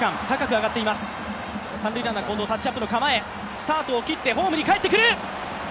スタートを切ってホームに帰ってくる。